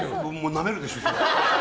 なめるでしょ、それは。